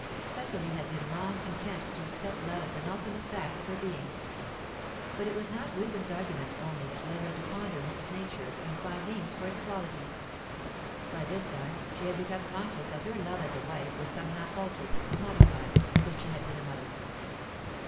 Cecily had been long content to accept love as an ultimate fact of her being. But it was not Reuben's arguments only that led her to ponder its nature and find names for its qualities. By this time she had become conscious that her love as a wife was somehow altered, modified, since she had been a mother.